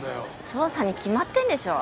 捜査に決まってんでしょ？